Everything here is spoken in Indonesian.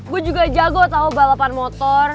gue juga jago tahu balapan motor